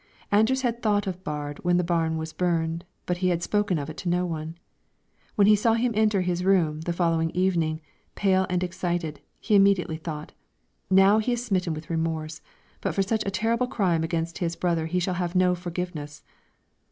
Anders had thought of Baard when the barn was burned, but had spoken of it to no one. When he saw him enter his room, the following evening, pale and excited, he immediately thought: "Now he is smitten with remorse, but for such a terrible crime against his brother he shall have no forgiveness."